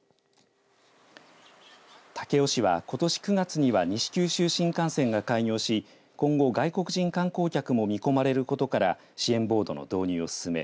武雄市は、ことし９月には西九州新幹線が開業し今後、外国人観光客も見込まれることから支援ボートの導入を進め